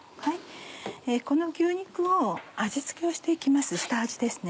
この牛肉を味付けをして行きます下味ですね。